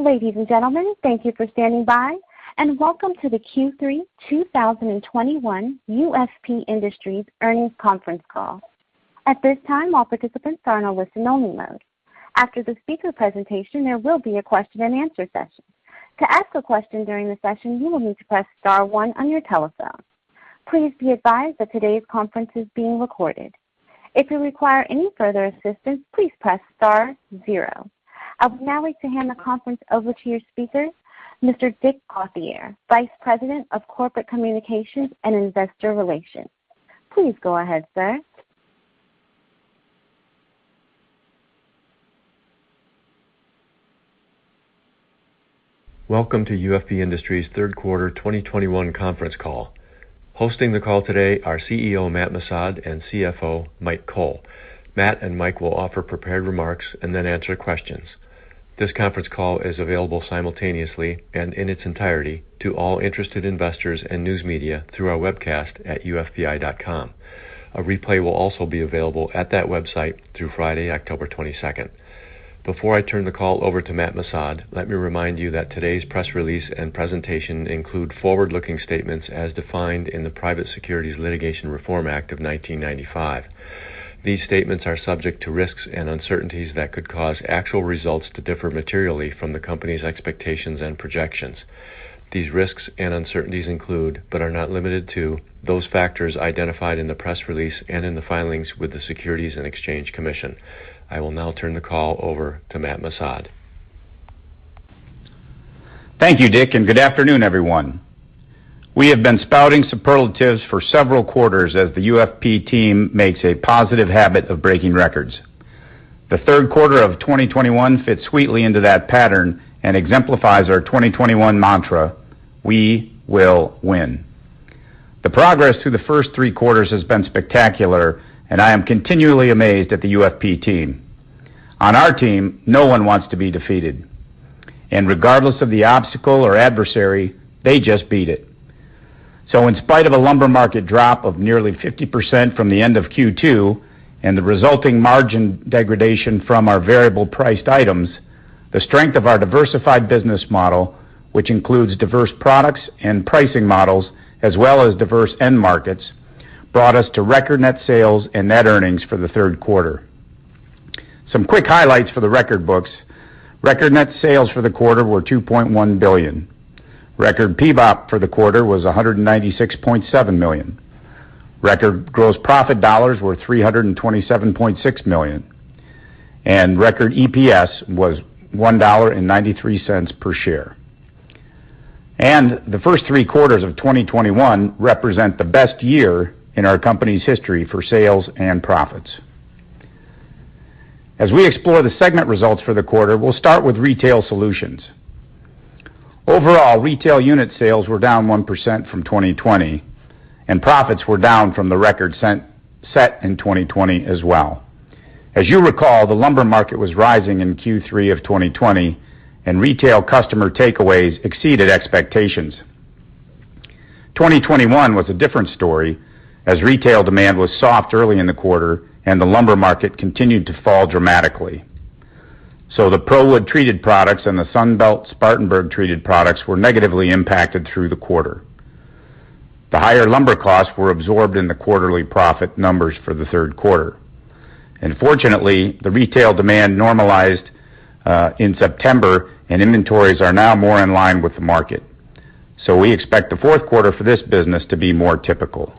Ladies and gentlemen, thank you for standing by, and welcome to the Q3 2021 UFP Industries Earnings Conference Call. At this time, all participants are in a listen only mode. After the speaker presentation, there will be a question-and-answer session. I would now like to hand the conference over to your speaker, Mr. Dick Gauthier, Vice President of Corporate Communications and Investor Relations. Please go ahead, sir. Welcome to UFP Industries' third quarter 2021 conference call. Hosting the call today are CEO Matt Missad and CFO Mike Cole. Matt and Mike will offer prepared remarks and then answer questions. This conference call is available simultaneously and in its entirety to all interested investors and news media through our webcast at ufpi.com. A replay will also be available at that website through Friday, October 22nd. Before I turn the call over to Matt Missad, let me remind you that today's press release and presentation include forward-looking statements as defined in the Private Securities Litigation Reform Act of 1995. These statements are subject to risks and uncertainties that could cause actual results to differ materially from the company's expectations and projections. These risks and uncertainties include, but are not limited to, those factors identified in the press release and in the filings with the Securities and Exchange Commission. I will now turn the call over to Matt Missad. Thank you, Dick, and good afternoon, everyone. We have been spouting superlatives for several quarters as the UFP team makes a positive habit of breaking records. The third quarter of 2021 fits sweetly into that pattern and exemplifies our 2021 mantra, "We will win." The progress through the first three quarters has been spectacular, and I am continually amazed at the UFP team. On our team, no one wants to be defeated, and regardless of the obstacle or adversary, they just beat it. In spite of a lumber market drop of nearly 50% from the end of Q2 and the resulting margin degradation from our variable priced items, the strength of our diversified business model, which includes diverse products and pricing models as well as diverse end markets, brought us to record net sales and net earnings for the third quarter. Some quick highlights for the record books. Record net sales for the quarter were $2.1 billion. Record PBOP for the quarter was $196.7 million. Record gross profit dollars were $327.6 million. Record EPS was $1.93 per share. The first three quarters of 2021 represent the best year in our company's history for sales and profits. As we explore the segment results for the quarter, we'll start with retail solutions. Overall, retail unit sales were down 1% from 2020, and profits were down from the record set in 2020 as well. As you recall, the lumber market was rising in Q3 of 2020, and retail customer takeaways exceeded expectations. 2021 was a different story as retail demand was soft early in the quarter and the lumber market continued to fall dramatically. The ProWood treated products and the Sunbelt Spartanburg treated products were negatively impacted through the quarter. The higher lumber costs were absorbed in the quarterly profit numbers for the third quarter. Fortunately, the retail demand normalized in September, and inventories are now more in line with the market. We expect the fourth quarter for this business to be more typical.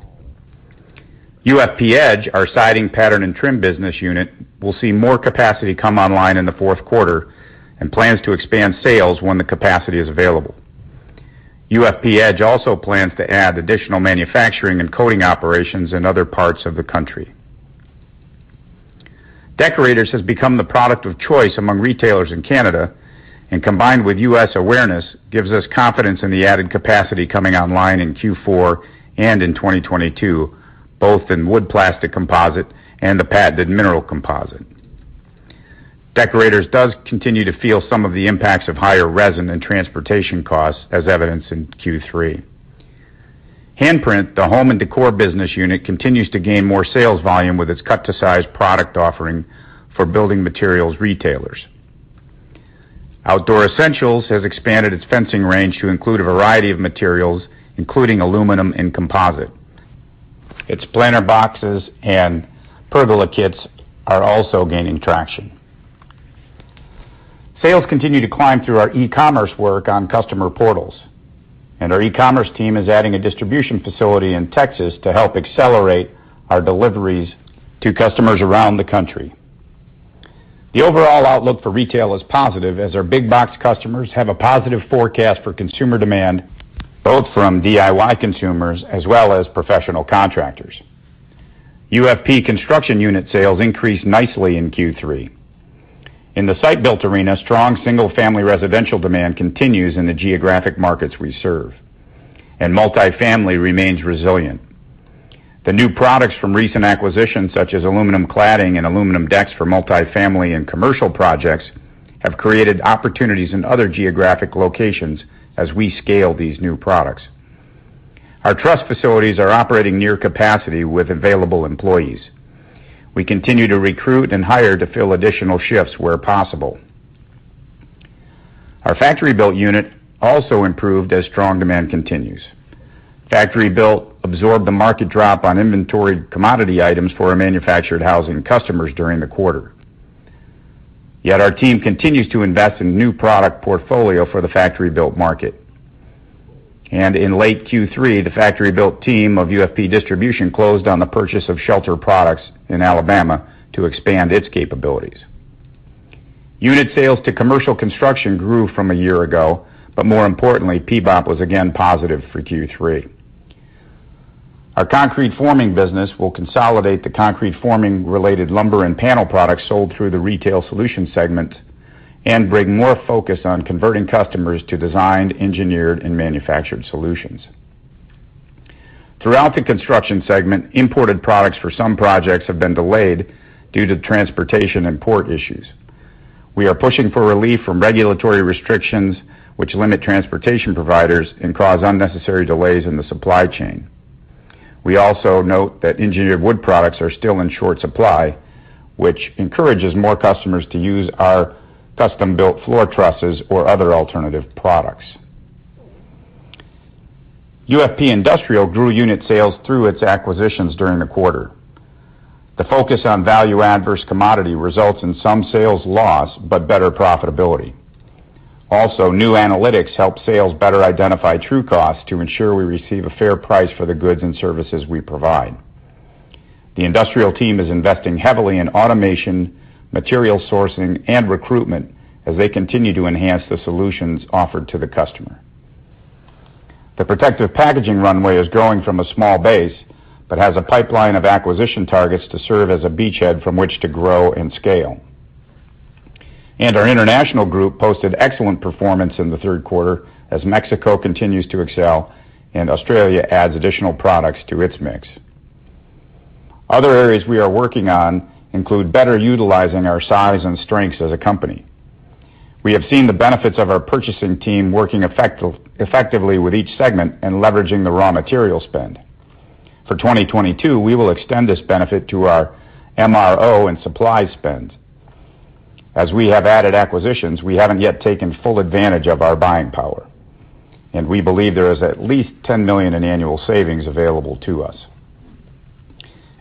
UFP Edge, our siding pattern and trim business unit, will see more capacity come online in the fourth quarter and plans to expand sales when the capacity is available. UFP Edge also plans to add additional manufacturing and coding operations in other parts of the country. Deckorators has become the product of choice among retailers in Canada, and combined with U.S. awareness, gives us confidence in the added capacity coming online in Q4 and in 2022, both in wood plastic composite and the patented mineral composite. Deckorators does continue to feel some of the impacts of higher resin and transportation costs as evidenced in Q3. Handprint, the home and decor business unit, continues to gain more sales volume with its cut-to-size product offering for building materials retailers. Outdoor Essentials has expanded its fencing range to include a variety of materials, including aluminum and composite. Its planter boxes and pergola kits are also gaining traction. Sales continue to climb through our e-commerce work on customer portals, and our e-commerce team is adding a distribution facility in Texas to help accelerate our deliveries to customers around the country. The overall outlook for retail is positive, as our big box customers have a positive forecast for consumer demand, both from DIY consumers as well as professional contractors. UFP construction unit sales increased nicely in Q3. In the site-built arena, strong single-family residential demand continues in the geographic markets we serve, and multifamily remains resilient. The new products from recent acquisitions, such as aluminum cladding and aluminum decks for multifamily and commercial projects, have created opportunities in other geographic locations as we scale these new products. Our truss facilities are operating near capacity with available employees. We continue to recruit and hire to fill additional shifts where possible. Our factory-built unit also improved as strong demand continues. Factory-built absorbed the market drop on inventoried commodity items for our manufactured housing customers during the quarter. Our team continues to invest in new product portfolio for the factory-built market. In late Q3, the factory-built team of UFP Distribution closed on the purchase of Shelter Products in Alabama to expand its capabilities. Unit sales to commercial construction grew from a year ago, but more importantly, PBOP was again positive for Q3. Our concrete forming business will consolidate the concrete forming related lumber and panel products sold through the retail solutions segment and bring more focus on converting customers to designed, engineered, and manufactured solutions. Throughout the construction segment, imported products for some projects have been delayed due to transportation and port issues. We are pushing for relief from regulatory restrictions, which limit transportation providers and cause unnecessary delays in the supply chain. We also note that engineered wood products are still in short supply, which encourages more customers to use our custom-built floor trusses or other alternative products. UFP Industrial grew unit sales through its acquisitions during the quarter. The focus on value-add versus commodity results in some sales loss but better profitability. New analytics help sales better identify true costs to ensure we receive a fair price for the goods and services we provide. The Industrial team is investing heavily in automation, material sourcing, and recruitment as they continue to enhance the solutions offered to the customer. The protective packaging runway is growing from a small base but has a pipeline of acquisition targets to serve as a beachhead from which to grow and scale. Our international group posted excellent performance in the third quarter as Mexico continues to excel and Australia adds additional products to its mix. Other areas we are working on include better utilizing our size and strengths as a company. We have seen the benefits of our purchasing team working effectively with each segment and leveraging the raw material spend. For 2022, we will extend this benefit to our MRO and supply spend. As we have added acquisitions, we haven't yet taken full advantage of our buying power, and we believe there is at least $10 million in annual savings available to us.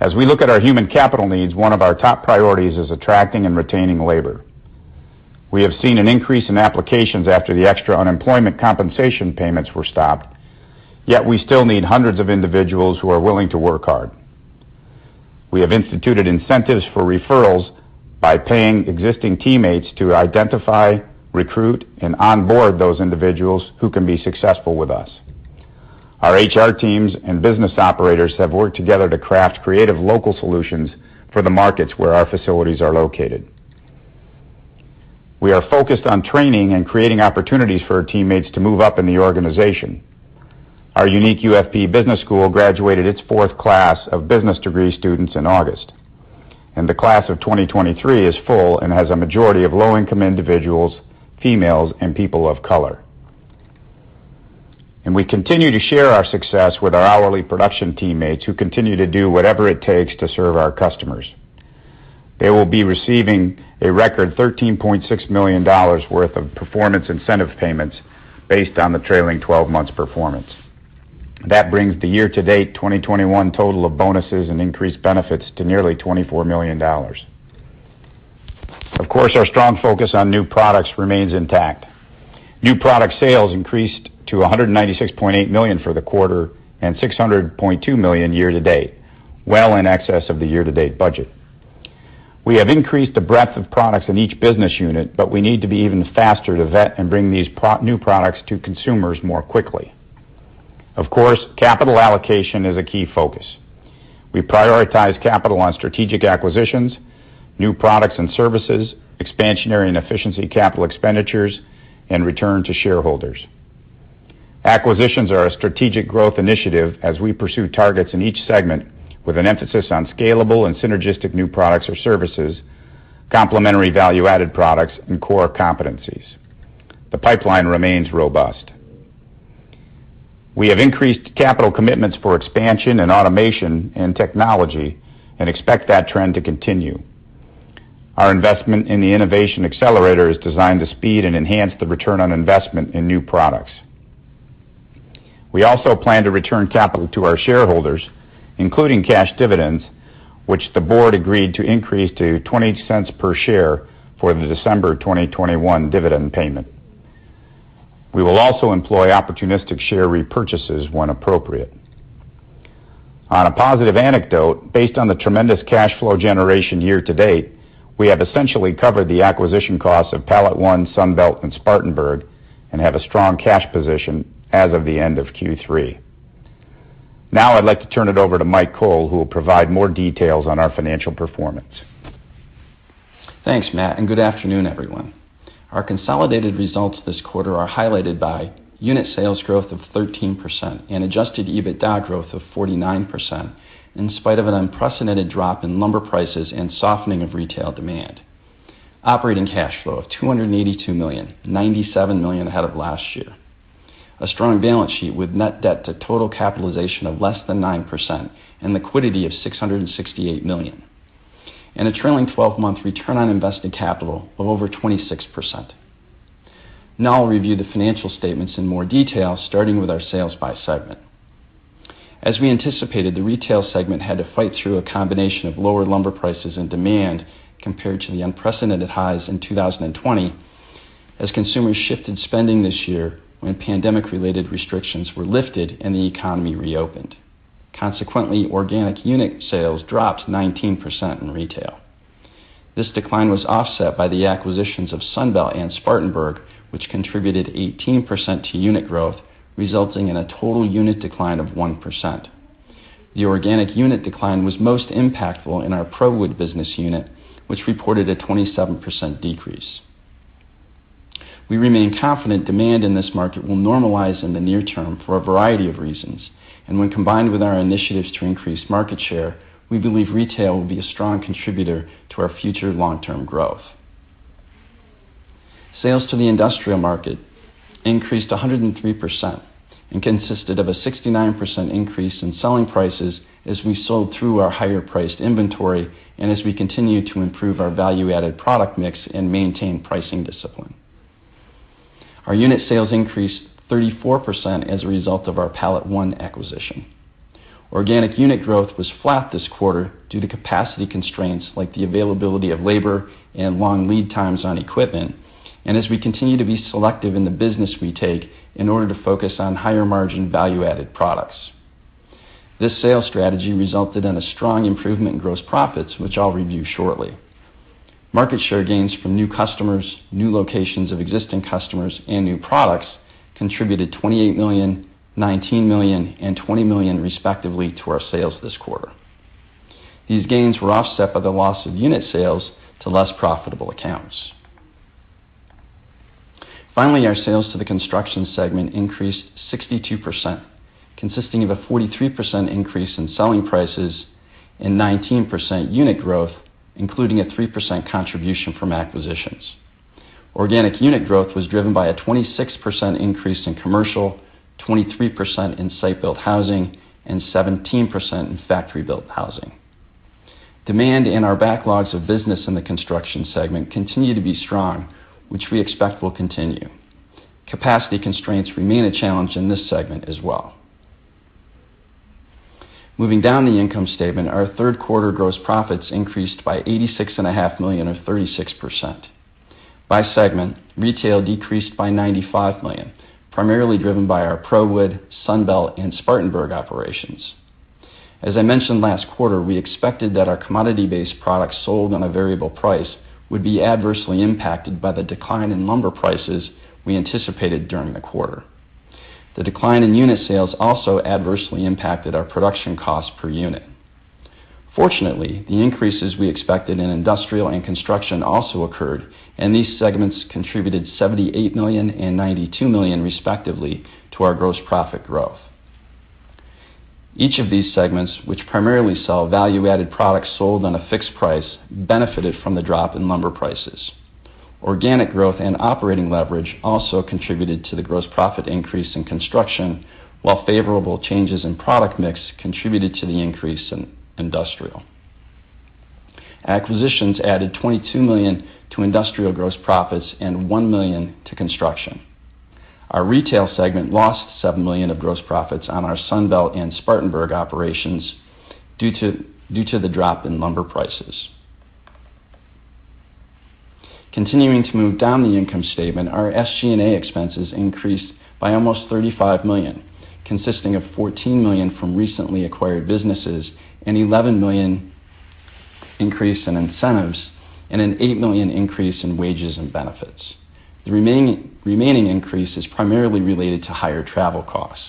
As we look at our human capital needs, one of our top priorities is attracting and retaining labor. We have seen an increase in applications after the extra unemployment compensation payments were stopped, yet we still need hundreds of individuals who are willing to work hard. We have instituted incentives for referrals by paying existing teammates to identify, recruit, and onboard those individuals who can be successful with us. Our HR teams and business operators have worked together to craft creative local solutions for the markets where our facilities are located. We are focused on training and creating opportunities for our teammates to move up in the organization. Our unique UFP Business School graduated its fourth class of business degree students in August. The Class of 2023 is full and has a majority of low-income individuals, females, and people of color. We continue to share our success with our hourly production teammates who continue to do whatever it takes to serve our customers. They will be receiving a record $13.6 million worth of performance incentive payments based on the trailing 12 months performance. That brings the year-to-date 2021 total of bonuses and increased benefits to nearly $24 million. Of course, our strong focus on new products remains intact. New product sales increased to $196.8 million for the quarter and $600.2 million year-to-date, well in excess of the year-to-date budget. We have increased the breadth of products in each business unit, but we need to be even faster to vet and bring these new products to consumers more quickly. Of course, capital allocation is a key focus. We prioritize capital on strategic acquisitions, new products and services, expansionary and efficiency capital expenditures, and return to shareholders. Acquisitions are a strategic growth initiative as we pursue targets in each segment with an emphasis on scalable and synergistic new products or services, complementary value-added products, and core competencies. The pipeline remains robust. We have increased capital commitments for expansion and automation and technology and expect that trend to continue. Our investment in the Innovation Accelerator is designed to speed and enhance the return on investment in new products. We also plan to return capital to our shareholders, including cash dividends, which the board agreed to increase to $0.20 per share for the December 2021 dividend payment. We will also employ opportunistic share repurchases when appropriate. On a positive anecdote, based on the tremendous cash flow generation year-to-date, we have essentially covered the acquisition costs of PalletOne, Sunbelt, and Spartanburg and have a strong cash position as of the end of Q3. Now I'd like to turn it over to Mike Cole, who will provide more details on our financial performance. Thanks, Matt. Good afternoon, everyone. Our consolidated results this quarter are highlighted by unit sales growth of 13% and Adjusted EBITDA growth of 49%, in spite of an unprecedented drop in lumber prices and softening of retail demand. Operating cash flow of $282 million, $97 million ahead of last year. A strong balance sheet with net debt to total capitalization of less than 9% and liquidity of $668 million. A trailing 12-month return on invested capital of over 26%. Now I'll review the financial statements in more detail, starting with our sales by segment. As we anticipated, the retail segment had to fight through a combination of lower lumber prices and demand compared to the unprecedented highs in 2020, as consumers shifted spending this year when pandemic-related restrictions were lifted and the economy reopened. Consequently, organic unit sales dropped 19% in retail. This decline was offset by the acquisitions of Sunbelt and Spartanburg, which contributed 18% to unit growth, resulting in a total unit decline of 1%. The organic unit decline was most impactful in our ProWood business unit, which reported a 27% decrease. We remain confident demand in this market will normalize in the near term for a variety of reasons, and when combined with our initiatives to increase market share, we believe retail will be a strong contributor to our future long-term growth. Sales to the industrial market increased 103% and consisted of a 69% increase in selling prices as we sold through our higher-priced inventory and as we continue to improve our value-added product mix and maintain pricing discipline. Our unit sales increased 34% as a result of our PalletOne acquisition. Organic unit growth was flat this quarter due to capacity constraints like the availability of labor and long lead times on equipment, as we continue to be selective in the business we take in order to focus on higher-margin value-added products. This sales strategy resulted in a strong improvement in gross profits, which I'll review shortly. Market share gains from new customers, new locations of existing customers, and new products contributed $28 million, $19 million, and $20 million respectively to our sales this quarter. These gains were offset by the loss of unit sales to less profitable accounts. Our sales to the construction segment increased 62%, consisting of a 43% increase in selling prices and 19% unit growth, including a 3% contribution from acquisitions. Organic unit growth was driven by a 26% increase in commercial, 23% in site-built housing, and 17% in factory-built housing. Demand in our backlogs of business in the construction segment continue to be strong, which we expect will continue. Capacity constraints remain a challenge in this segment as well. Moving down the income statement, our third quarter gross profits increased by $86.5 million or 36%. By segment, retail decreased by $95 million, primarily driven by our ProWood, Sunbelt, and Spartanburg operations. As I mentioned last quarter, we expected that our commodity-based products sold on a variable price would be adversely impacted by the decline in lumber prices we anticipated during the quarter. The decline in unit sales also adversely impacted our production cost per unit. Fortunately, the increases we expected in industrial and construction also occurred, and these segments contributed $78 million and $92 million respectively to our gross profit growth. Each of these segments, which primarily sell value-added products sold on a fixed price, benefited from the drop in lumber prices. Organic growth and operating leverage also contributed to the gross profit increase in construction, while favorable changes in product mix contributed to the increase in industrial. Acquisitions added $22 million to industrial gross profits and $1 million to construction. Our retail segment lost $7 million of gross profits on our Sunbelt and Spartanburg operations due to the drop in lumber prices. Continuing to move down the income statement, our SG&A expenses increased by almost $35 million, consisting of $14 million from recently acquired businesses, an $11 million increase in incentives, and an $8 million increase in wages and benefits. The remaining increase is primarily related to higher travel costs.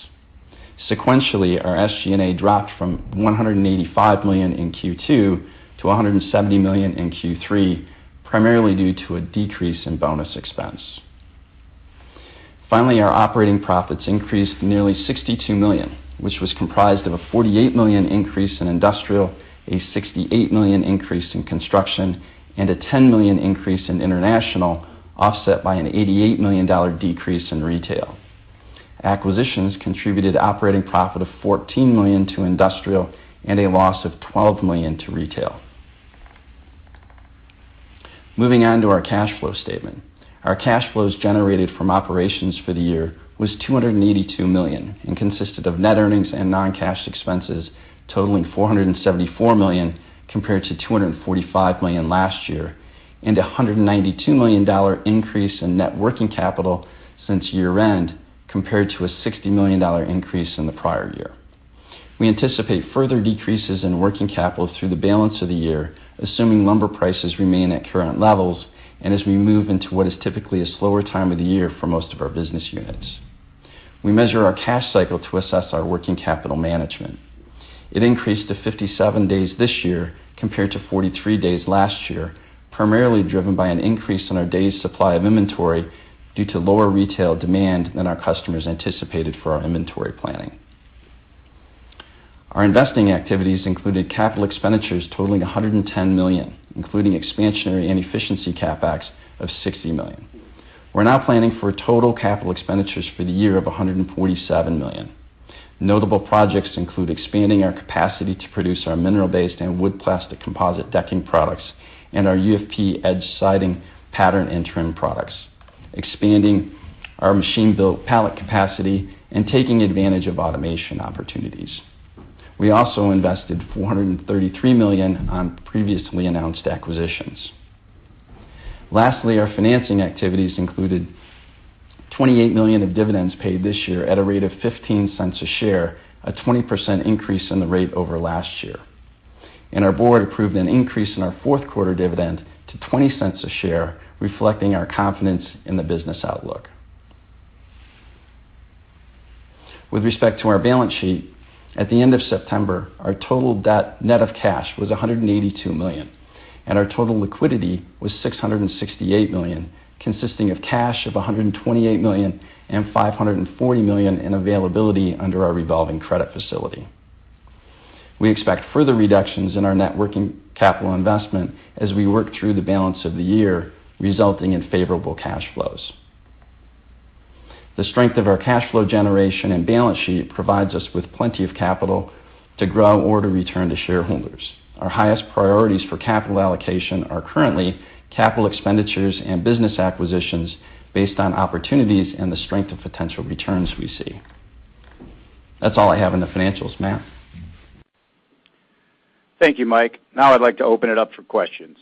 Sequentially, our SG&A dropped from $185 million in Q2 to $170 million in Q3, primarily due to a decrease in bonus expense. Finally, our operating profits increased nearly $62 million, which was comprised of a $48 million increase in Industrial, a $68 million increase in construction, and a $10 million increase in international, offset by an $88 million decrease in retail. Acquisitions contributed operating profit of $14 million to Industrial and a loss of $12 million to retail. Moving on to our cash flow statement. Our cash flows generated from operations for the year was $282 million and consisted of net earnings and non-cash expenses totaling $474 million compared to $245 million last year, and $192 million increase in net working capital since year-end compared to a $60 million increase in the prior year. We anticipate further decreases in working capital through the balance of the year, assuming lumber prices remain at current levels and as we move into what is typically a slower time of the year for most of our business units. We measure our cash cycle to assess our working capital management. It increased to 57 days this year compared to 43 days last year, primarily driven by an increase in our days supply of inventory due to lower retail demand than our customers anticipated for our inventory planning. Our investing activities included capital expenditures totaling $110 million, including expansionary and efficiency CapEx of $60 million. We are now planning for total capital expenditures for the year of $147 million. Notable projects include expanding our capacity to produce our mineral-based and wood plastic composite decking products and our UFP Edge siding pattern and trim products, expanding our machine build pallet capacity, and taking advantage of automation opportunities. We also invested $433 million on previously announced acquisitions. Lastly, our financing activities included $28 million of dividends paid this year at a rate of $0.15 a share, a 20% increase in the rate over last year. Our board approved an increase in our fourth quarter dividend to $0.20 a share, reflecting our confidence in the business outlook. With respect to our balance sheet, at the end of September, our total debt net of cash was $182 million, and our total liquidity was $668 million, consisting of cash of $128 million and $540 million in availability under our revolving credit facility. We expect further reductions in our net working capital investment as we work through the balance of the year, resulting in favorable cash flows. The strength of our cash flow generation and balance sheet provides us with plenty of capital to grow or to return to shareholders. Our highest priorities for capital allocation are currently capital expenditures and business acquisitions based on opportunities and the strength of potential returns we see. That's all I have on the financials. Matt? Thank you, Mike. Now I'd like to open it up for questions.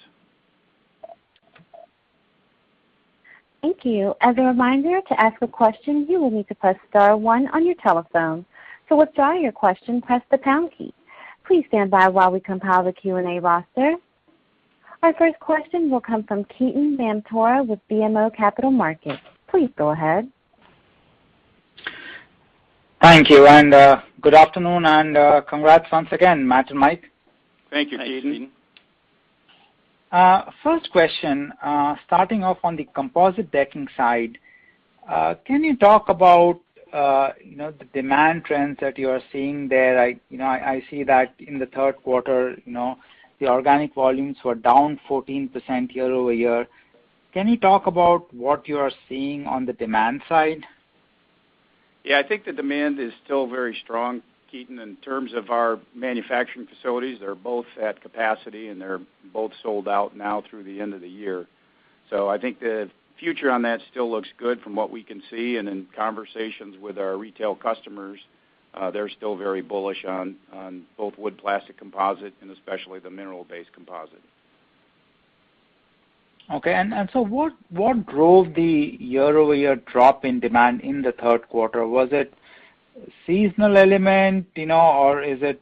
Thank you. As a reminder, to ask a question, you will need to press star one on your telephone. To withdraw your question, press the pound key. Please stand by while we compile the Q&A roster. Our first question will come from Ketan Mamtora with BMO Capital Markets. Please go ahead. Thank you, and good afternoon, and congrats once again, Matt and Mike. Thank you, Ketan. Thank you. First question, starting off on the composite decking side. Can you talk about the demand trends that you are seeing there? I see that in the third quarter, the organic volumes were down 14% year-over-year. Can you talk about what you are seeing on the demand side? Yeah, I think the demand is still very strong, Ketan. In terms of our manufacturing facilities, they're both at capacity, and they're both sold out now through the end of the year. I think the future on that still looks good from what we can see. In conversations with our retail customers, they're still very bullish on both wood plastic composite and especially the mineral-based composite. Okay. What drove the year-over-year drop in demand in the third quarter? Was it seasonal element, or is it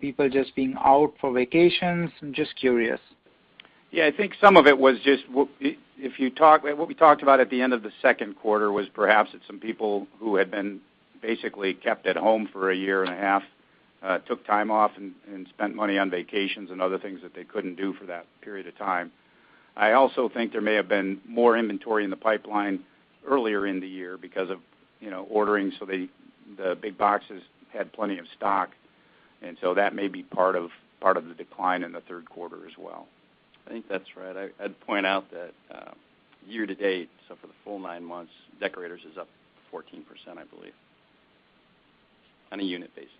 people just being out for vacations? I'm just curious. Yeah, I think some of it was just what we talked about at the end of the second quarter was perhaps that some people who had been basically kept at home for a year and a half took time off and spent money on vacations and other things that they couldn't do for that period of time. I also think there may have been more inventory in the pipeline earlier in the year because of ordering. The big boxes had plenty of stock, and so that may be part of the decline in the third quarter as well. I think that's right. I'd point out that year-to-date, so for the full nine months, Deckorators is up 14%, I believe, on a unit basis.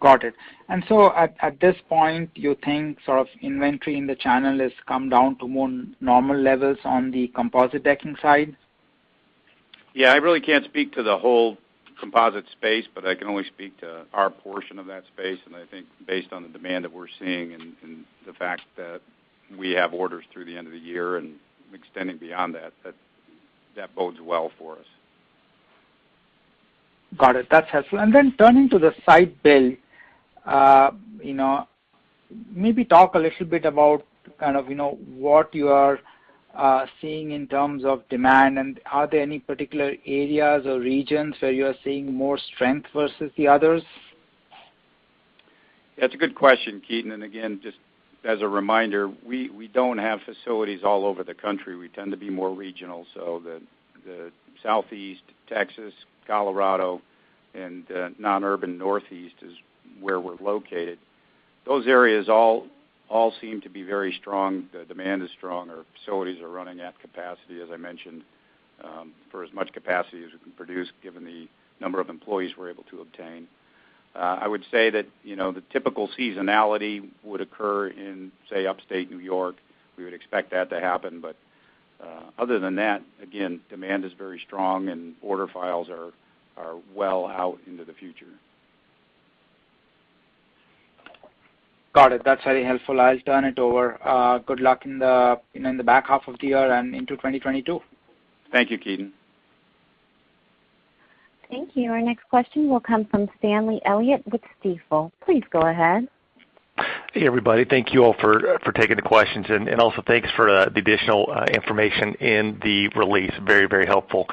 Got it. At this point, you think inventory in the channel has come down to more normal levels on the composite decking side? Yeah, I really can't speak to the whole composite space, but I can only speak to our portion of that space. I think based on the demand that we're seeing and the fact that we have orders through the end of the year and extending beyond that bodes well for us. Got it. That's helpful. Turning to the site build, maybe talk a little bit about what you are seeing in terms of demand, and are there any particular areas or regions where you are seeing more strength versus the others? That's a good question, Ketan. Again, just as a reminder, we don't have facilities all over the country. We tend to be more regional. The Southeast Texas, Colorado, and non-urban Northeast is where we're located. Those areas all seem to be very strong. The demand is strong. Our facilities are running at capacity, as I mentioned, for as much capacity as we can produce given the number of employees we're able to obtain. I would say that the typical seasonality would occur in, say, Upstate New York. We would expect that to happen. Other than that, again, demand is very strong, and order files are well out into the future. Got it. That's very helpful. I'll turn it over. Good luck in the back half of the year and into 2022. Thank you, Ketan. Thank you. Our next question will come from Stanley Elliott with Stifel. Please go ahead. Hey, everybody. Thank you all for taking the questions, and also thanks for the additional information in the release. Very helpful.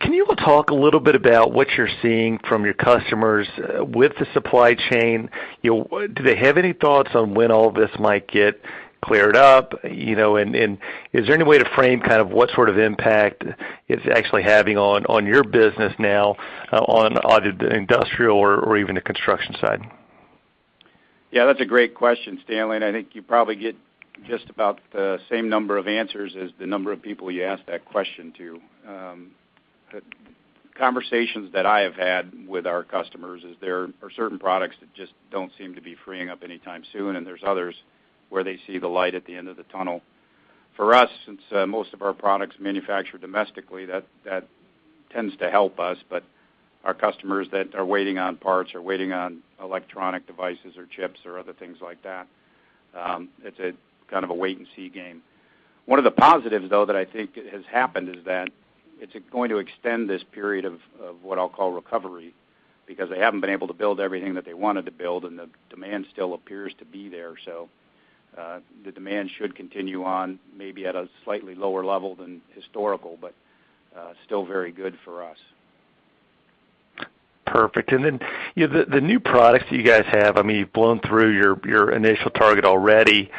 Can you talk a little bit about what you're seeing from your customers with the supply chain? Do they have any thoughts on when all this might get cleared up? Is there any way to frame what sort of impact it's actually having on your business now on either the industrial or even the construction side? Yeah, that's a great question, Stanley. I think you probably get just about the same number of answers as the number of people you ask that question to. Conversations that I have had with our customers is there are certain products that just don't seem to be freeing up anytime soon. There's others where they see the light at the end of the tunnel. For us, since most of our products manufacture domestically, that tends to help us. Our customers that are waiting on parts or waiting on electronic devices or chips or other things like that, it's a kind of a wait-and-see game. One of the positives, though, that I think has happened is that it's going to extend this period of what I'll call recovery, because they haven't been able to build everything that they wanted to build, and the demand still appears to be there. The demand should continue on, maybe at a slightly lower level than historical, but still very good for us. Perfect. The new products that you guys have, you've blown through your initial target already,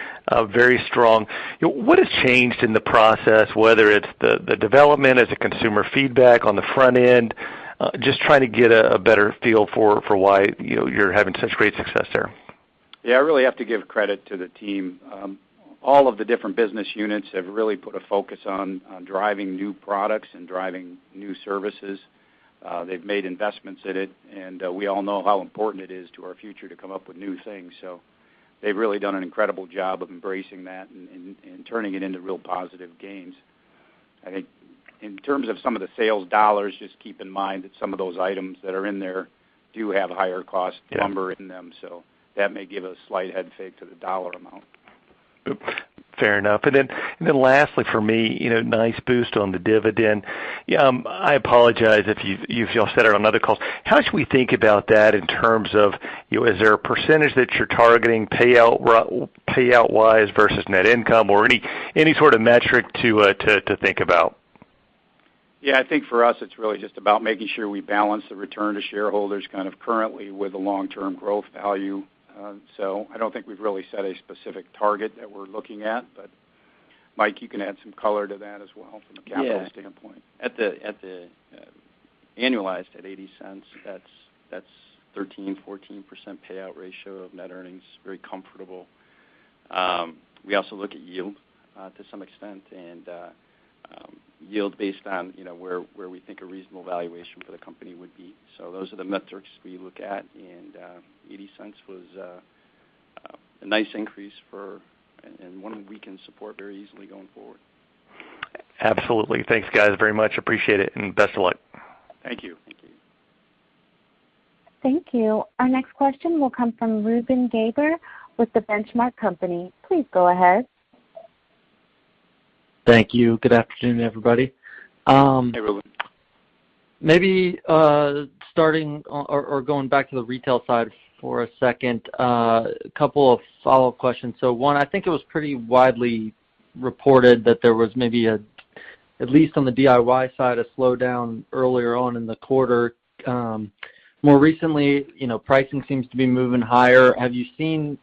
very strong. What has changed in the process, whether it's the development as a consumer feedback on the front end? Just trying to get a better feel for why you're having such great success there. Yeah, I really have to give credit to the team. All of the different business units have really put a focus on driving new products and driving new services. They've made investments in it, and we all know how important it is to our future to come up with new things. They've really done an incredible job of embracing that and turning it into real positive gains. I think in terms of some of the sales dollars, just keep in mind that some of those items that are in there do have higher cost lumber in them, so that may give a slight head fake to the dollar amount. Fair enough. Lastly for me, nice boost on the dividend. I apologize if you all said it on another call. How should we think about that in terms of, is there a percentage that you're targeting payout-wise versus net income? Or any sort of metric to think about? Yeah, I think for us, it's really just about making sure we balance the return to shareholders kind of currently with the long-term growth value. I don't think we've really set a specific target that we're looking at. Mike, you can add some color to that as well from the capital standpoint. Yeah. Annualized at $0.80, that's 13%, 14% payout ratio of net earnings. Very comfortable. We also look at yield to some extent, and yield based on where we think a reasonable valuation for the company would be. Those are the metrics we look at, and $0.80 was a nice increase, and one we can support very easily going forward. Absolutely. Thanks guys, very much appreciate it and best of luck. Thank you. Thank you. Thank you. Our next question will come from Reuben Garner with The Benchmark Company. Please go ahead. Thank you. Good afternoon, everybody. Hey, Reuben. Maybe starting or going back to the retail side for a second, a couple of follow-up questions. One, I think it was pretty widely reported that there was maybe, at least on the DIY side, a slowdown earlier on in the quarter. More recently, pricing seems to be moving higher. Have you seen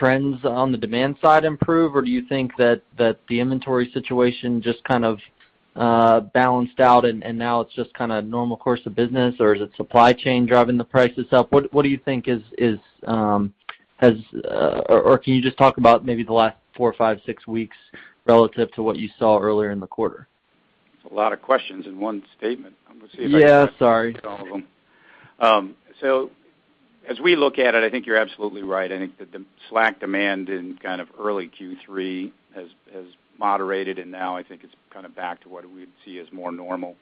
trends on the demand side improve, or do you think that the inventory situation just kind of balanced out and now it's just kind of normal course of business, or is it supply chain driving the prices up? What do you think, or can you just talk about maybe the last four, five, six weeks relative to what you saw earlier in the quarter? It's a lot of questions in one statement. Yeah, sorry. Can get all of them. As we look at it, I think you're absolutely right. I think that the slack demand in kind of early Q3 has moderated, and now I think it's kind of back to what we'd see as more normal.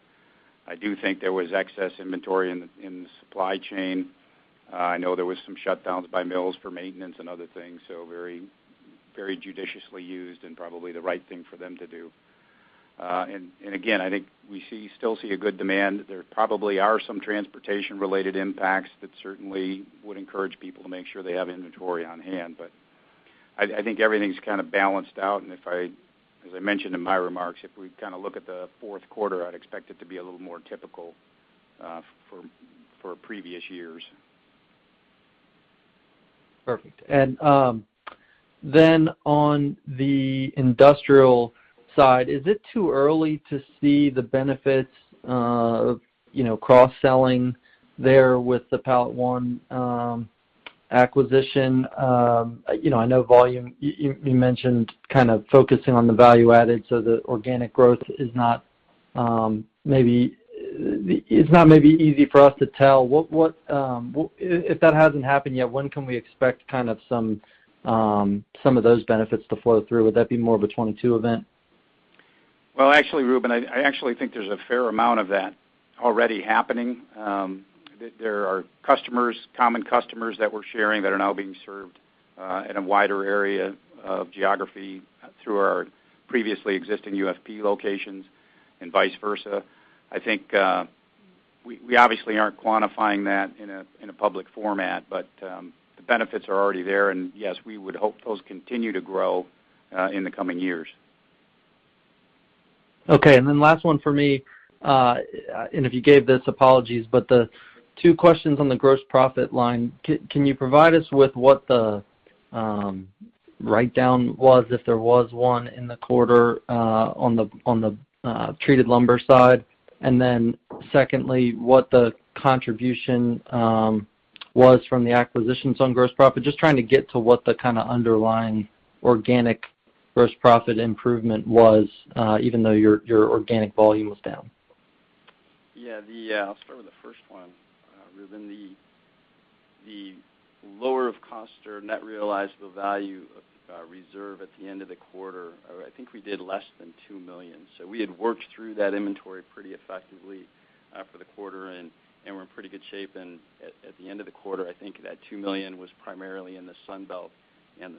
I do think there was excess inventory in the supply chain. I know there was some shutdowns by mills for maintenance and other things, so very judiciously used and probably the right thing for them to do. Again, I think we still see a good demand. There probably are some transportation-related impacts that certainly would encourage people to make sure they have inventory on hand. I think everything's kind of balanced out, and as I mentioned in my remarks, if we kind of look at the fourth quarter, I'd expect it to be a little more typical for previous years. Perfect. On the UFP Industrial side, is it too early to see the benefits of cross-selling there with the PalletOne acquisition? I know volume, you mentioned kind of focusing on the value-added, the organic growth is not maybe easy for us to tell. If that hasn't happened yet, when can we expect kind of some of those benefits to flow through? Would that be more of a 2022 event? Well, actually, Reuben, I actually think there's a fair amount of that already happening. There are common customers that we're sharing that are now being served in a wider area of geography through our previously existing UFP locations, and vice versa. I think we obviously aren't quantifying that in a public format. The benefits are already there, and yes, we would hope those continue to grow in the coming years. Okay, last one for me. If you gave this, apologies, but the two questions on the gross profit line. Can you provide us with what the write-down was, if there was one in the quarter on the treated lumber side, and then secondly, what the contribution was from the acquisitions on gross profit. Just trying to get to what the kind of underlying organic gross profit improvement was, even though your organic volume was down. I'll start with the first one. Reuben, the lower of cost or net realizable value of reserve at the end of the quarter, I think we did less than $2 million. We had worked through that inventory pretty effectively for the quarter, and we're in pretty good shape. At the end of the quarter, I think that $2 million was primarily in the Sunbelt and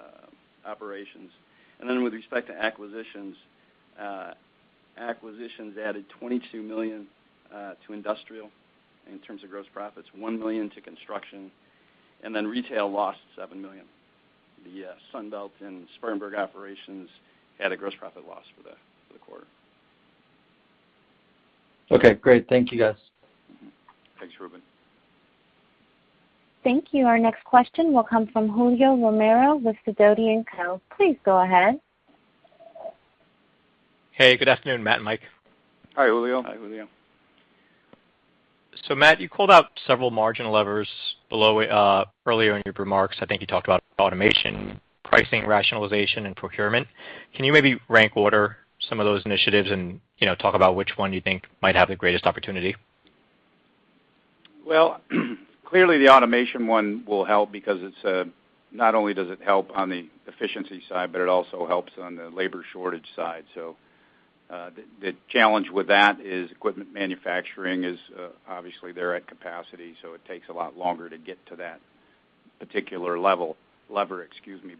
the Spartanburg operations. With respect to acquisitions added $22 million to Industrial in terms of gross profits, $1 million to construction, and then retail lost $7 million. The Sunbelt and Spartanburg operations had a gross profit loss for the quarter. Okay, great. Thank you, guys. Thanks, Reuben. Thank you. Our next question will come from Julio Romero with Sidoti & Company. Please go ahead. Hey, good afternoon, Matt and Mike. Hi, Julio. Hi, Julio. Matt, you called out several margin levers earlier in your remarks. I think you talked about automation, pricing rationalization, and procurement. Can you maybe rank order some of those initiatives and talk about which one you think might have the greatest opportunity? Clearly the automation one will help because not only does it help on the efficiency side, but it also helps on the labor shortage side. The challenge with that is equipment manufacturing is obviously they're at capacity, so it takes a lot longer to get to that particular level. Lever, excuse me.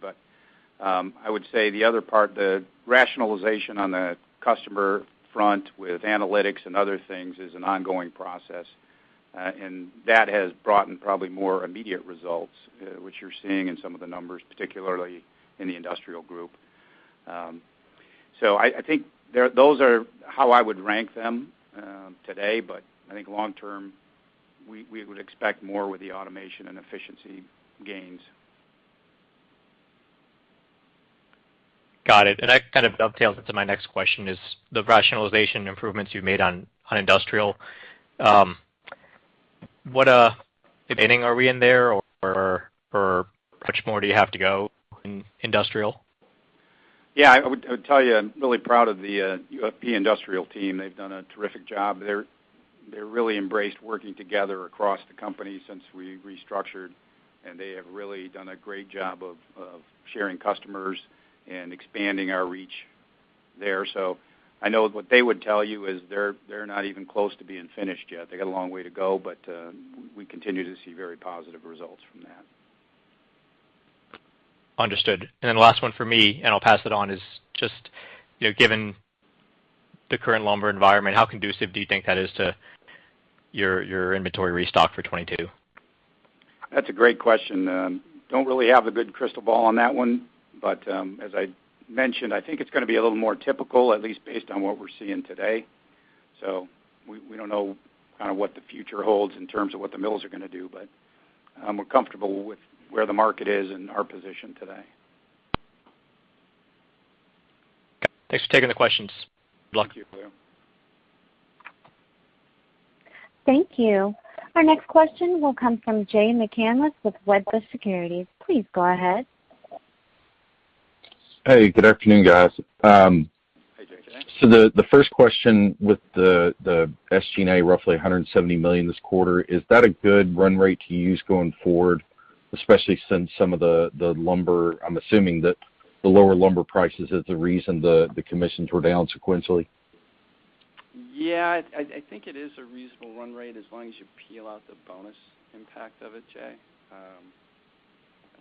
I would say the other part, the rationalization on the customer front with analytics and other things is an ongoing process. That has brought in probably more immediate results, which you're seeing in some of the numbers, particularly in the Industrial Group. I think those are how I would rank them today, but I think long term, we would expect more with the automation and efficiency gains. Got it. That kind of dovetails into my next question is the rationalization improvements you've made on UFP Industrial. What inning are we in there, or how much more do you have to go in UFP Industrial? Yeah, I would tell you, I'm really proud of the UFP Industrial team. They've done a terrific job. They really embraced working together across the company since we restructured, and they have really done a great job of sharing customers and expanding our reach there. I know what they would tell you is they're not even close to being finished yet. They got a long way to go, we continue to see very positive results from that. Understood. Last one for me, and I'll pass it on, is just given the current lumber environment, how conducive do you think that is to your inventory restock for 2022? That's a great question. Don't really have a good crystal ball on that one, but as I mentioned, I think it's going to be a little more typical, at least based on what we're seeing today. We don't know kind of what the future holds in terms of what the mills are going to do, but we're comfortable with where the market is and our position today. Thanks for taking the questions. Good luck to you. Thank you, Julio. Thank you. Our next question will come from Jay McCanless with Wedbush Securities. Please go ahead. Hey, good afternoon, guys. Hey, Jay. Hey. The first question with the SG&A roughly $170 million this quarter, is that a good run rate to use going forward, especially since some of the lumber, I'm assuming that the lower lumber prices is the reason the commissions were down sequentially? Yeah. I think it is a reasonable run rate as long as you peel out the bonus impact of it, Jay.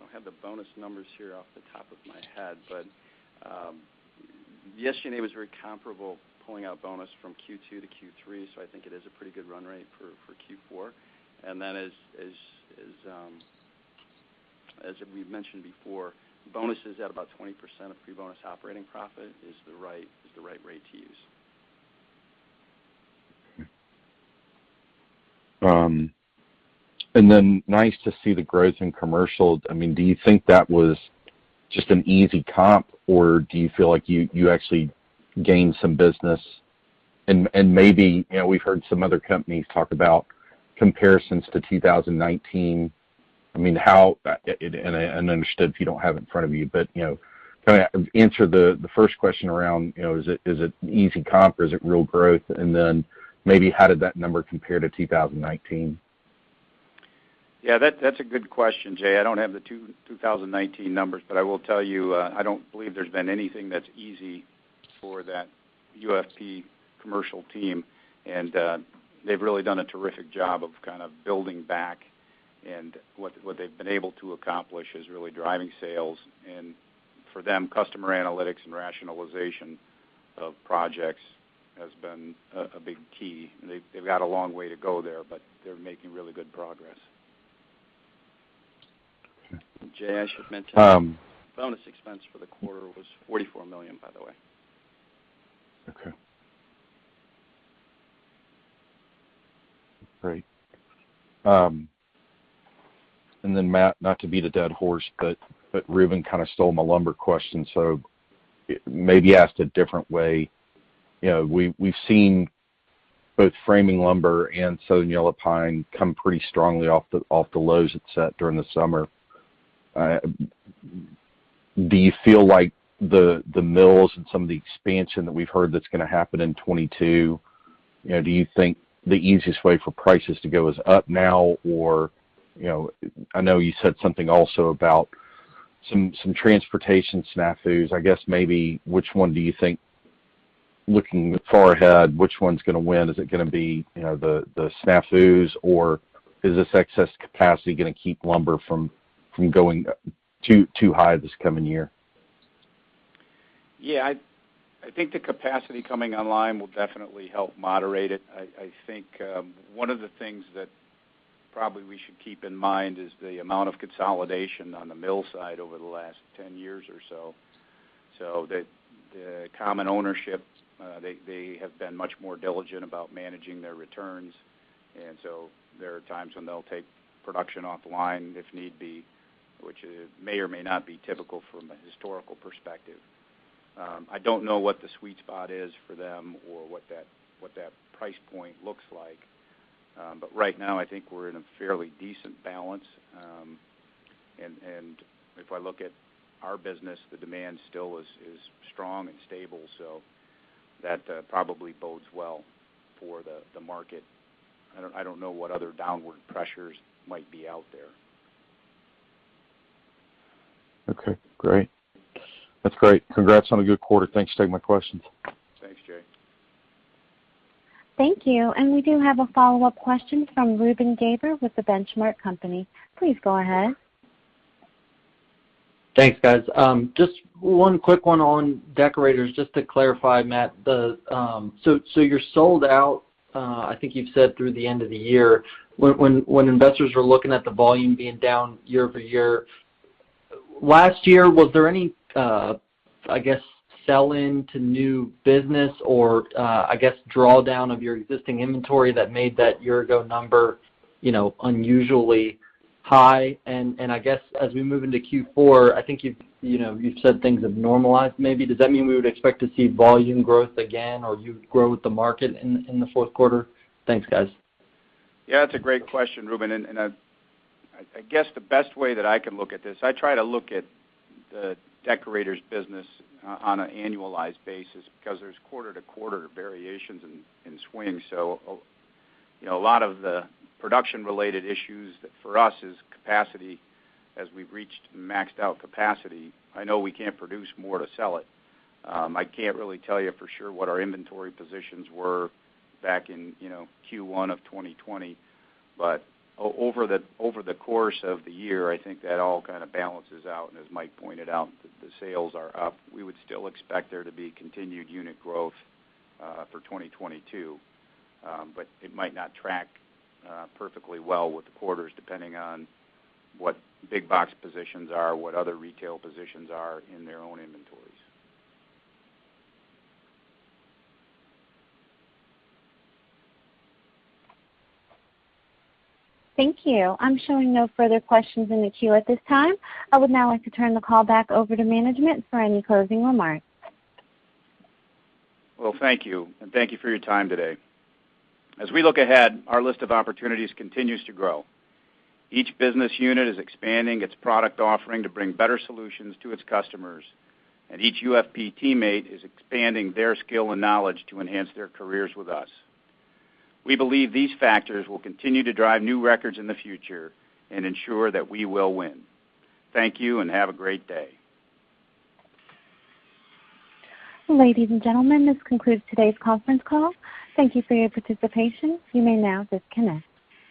I don't have the bonus numbers here off the top of my head, but the SG&A was very comparable pulling out bonus from Q2 to Q3, so I think it is a pretty good run rate for Q4. Then as we've mentioned before, bonuses at about 20% of pre-bonus operating profit is the right rate to use. Nice to see the growth in commercial. Do you think that was just an easy comp, or do you feel like you actually gained some business? Maybe we've heard some other companies talk about comparisons to 2019. Understood if you don't have it in front of you, but kind of answer the first question around, is it an easy comp or is it real growth? Maybe how did that number compare to 2019? Yeah, that's a good question, Jay. I don't have the 2019 numbers, but I will tell you, I don't believe there's been anything that's easy for that UFP commercial team, and they've really done a terrific job of kind of building back. What they've been able to accomplish is really driving sales. For them, customer analytics and rationalization of projects has been a big key. They've got a long way to go there, but they're making really good progress. Jay, I should mention bonus expense for the quarter was $44 million, by the way. Great. Matt, not to beat a dead horse, but Reuben kind of stole my lumber question, so maybe asked a different way. We've seen both framing lumber and southern yellow pine come pretty strongly off the lows it set during the summer. Do you feel like the mills and some of the expansion that we've heard that's going to happen in 2022, do you think the easiest way for prices to go is up now? I know you said something also about some transportation snafus. I guess maybe, which one do you think, looking far ahead, which one's going to win? Is it going to be the snafus or is this excess capacity going to keep lumber from going too high this coming year? Yeah, I think the capacity coming online will definitely help moderate it. I think one of the things that probably we should keep in mind is the amount of consolidation on the mill side over the last 10 years or so. The common ownership, they have been much more diligent about managing their returns. There are times when they'll take production offline, if need be, which may or may not be typical from a historical perspective. I don't know what the sweet spot is for them or what that price point looks like. Right now, I think we're in a fairly decent balance. If I look at our business, the demand still is strong and stable, so that probably bodes well for the market. I don't know what other downward pressures might be out there. Okay, great. That's great. Congrats on a good quarter. Thanks for taking my questions. Thanks, Jay. Thank you. We do have a follow-up question from Reuben Garner with The Benchmark Company. Please go ahead. Thanks, guys. Just one quick one on Deckorators, just to clarify, Matt. You're sold out, I think you've said through the end of the year. When investors are looking at the volume being down year-over-year, last year, was there any, I guess, sell-in to new business or, I guess, drawdown of your existing inventory that made that year ago number unusually high? I guess as we move into Q4, I think you've said things have normalized, maybe. Does that mean we would expect to see volume growth again, or you'd grow with the market in the fourth quarter? Thanks, guys. Yeah, that's a great question, Reuben. I guess the best way that I can look at this, I try to look at the Deckorators business on an annualized basis because there's quarter-to-quarter variations and swings. A lot of the production related issues for us is capacity as we've reached maxed out capacity. I know we can't produce more to sell it. I can't really tell you for sure what our inventory positions were back in Q1 of 2020. Over the course of the year, I think that all kind of balances out, and as Mike pointed out, the sales are up. We would still expect there to be continued unit growth for 2022. It might not track perfectly well with the quarters, depending on what big box positions are, what other retail positions are in their own inventories. Thank you. I'm showing no further questions in the queue at this time. I would now like to turn the call back over to management for any closing remarks. Well, thank you, and thank you for your time today. As we look ahead, our list of opportunities continues to grow. Each business unit is expanding its product offering to bring better solutions to its customers, and each UFP teammate is expanding their skill and knowledge to enhance their careers with us. We believe these factors will continue to drive new records in the future and ensure that we will win. Thank you and have a great day. Ladies and gentlemen, this concludes today's conference call. Thank you for your participation. You may now disconnect.